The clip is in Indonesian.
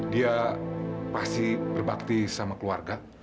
dia pasti berbakti sama keluarga